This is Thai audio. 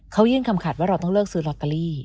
เขายื่นคำขาดว่าเราต้องเลิกซื้อลอตเตอรี่